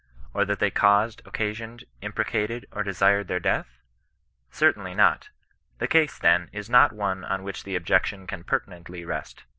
Or that they caused, occasioned, imprecated, or desired their death ? Certainly not. The case then is not one on which the objection can pertinently rest.